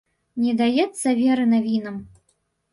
Не даецца веры навінам.